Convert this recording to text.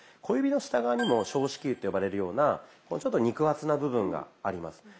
小指の下側にも小指球と呼ばれるようなちょっと肉厚な部分があります。